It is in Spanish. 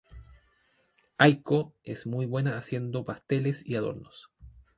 Aiko es muy buena haciendo pasteles y adornos.